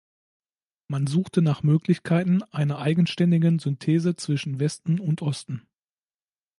Man suchte nach Möglichkeiten einer eigenständigen „Synthese zwischen Westen und Osten“.